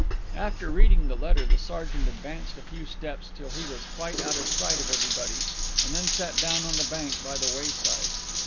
After reading the letter the sergeant advanced a few steps till he was quite out of sight of everybody, and then sat down on the bank by the wayside.